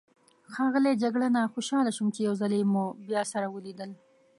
ښاغلی جګړنه، خوشحاله شوم چې یو ځلي مو بیا سره ولیدل.